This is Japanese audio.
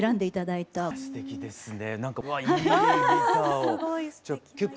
いやすてきですね。